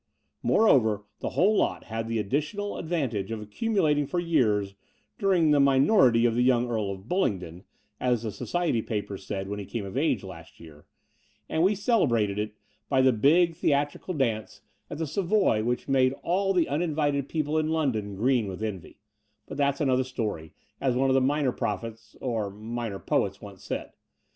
Moreover, the whole lot had the additional ad vantage of accumulating for years "during the minority of the yotmg Earl of Bullingdon," as the society papers said when he came of age last year, and we celebrated it by the big theatrical dance 22 The Door of the Unreal at the Savoy, which made all the uninvited people in London green with envy: but that's another story, as one of the minor prophets or minor poets once said.